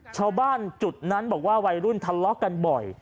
ชาวบ้านจุดนั้นบอกว่าวัยรุ่นทะเลาะกันบ่อย